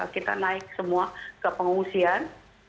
kita naik semua ke pengungsian